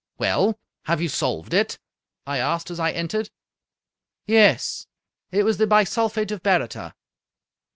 " Well, have you solved it ?" I asked as I entered. " Yes. It was the bisulphate of baryta."